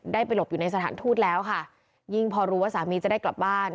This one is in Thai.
ได้ไปหลบอยู่ในสถานทูตแล้วค่ะยิ่งพอรู้ว่าสามีจะได้กลับบ้าน